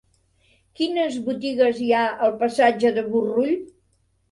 Quines botigues hi ha al passatge de Burrull?